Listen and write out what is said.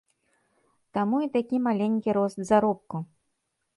Таму і такі маленькі рост заробку.